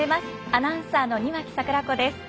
アナウンサーの庭木櫻子です。